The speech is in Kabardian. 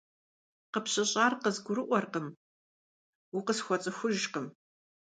КъыпщыщӀар къызгурыӀуэркъым, укъысхуэцӀыхужкъым.